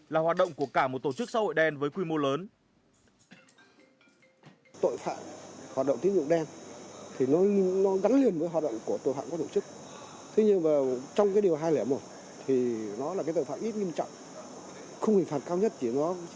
là hoạt động của cả một tổ chức xã hội đen với quy mô lớn